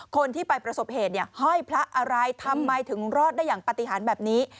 คนที่ไปประสบเหตุเนี่ยห้อยพระอะไรทำไมถึงรอดได้อย่างปฏิหารแบบนี้